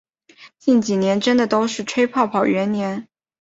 近几年真的都是吹泡泡元年